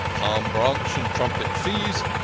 Palm branch and Trumpet Fees .